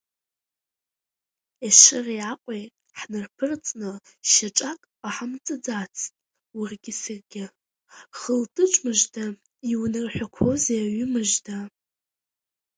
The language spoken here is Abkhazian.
Ешыреи Аҟәеи ҳнарԥырҵны шьаҿак ҟаҳамҵаӡацт уаргьы саргьы, Хылтыҿ мыжда, иунарҳәақәозеи аҩы мыжда!